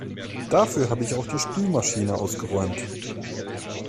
Dafür habe ich auch die Spülmaschine ausgeräumt.